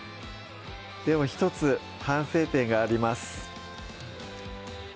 でも１つ反省点があります